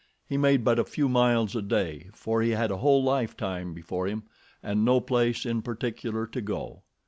He made but a few miles a day, for he had a whole lifetime before him and no place in particular to go.